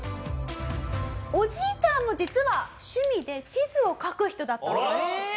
おじいちゃんも実は趣味で地図を描く人だったんです。